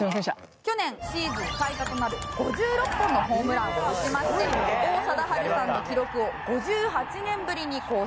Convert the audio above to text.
去年シーズン最多となる５６本のホームランを打ちまして王貞治さんの記録を５８年ぶりに更新。